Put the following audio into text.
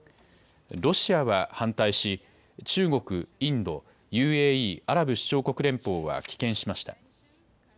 ロシアは反対し、中国、インド、ＵＡＥ・アラブ首長国連邦は棄権しました。